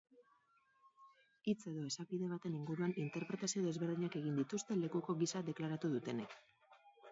Hitz edo esapide baten inguruan interpretazio desberdinak egin dituzte lekuko gisa deklaratu dutenek.